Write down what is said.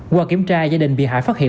qua kiểm tra gia đình bị hại phát hiện